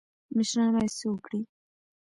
مشران باید څه وکړي؟